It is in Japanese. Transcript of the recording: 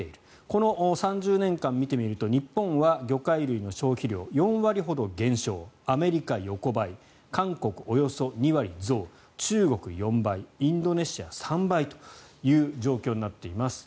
この３０年間を見てみると日本は魚介類の消費量４割ほど減少アメリカ、横ばい韓国、およそ２割増中国、４倍インドネシア、３倍という状況になっています。